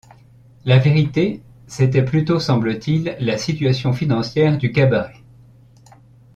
La vérité, c'était plutôt semble-t-il la situation financière du cabaret.